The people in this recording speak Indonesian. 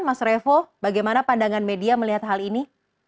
mas revo bagaimana pandangan media melihat hal ini